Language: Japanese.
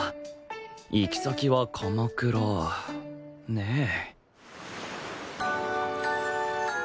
行き先は鎌倉ねえ